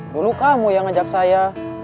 dulu kamu yang ngajak saya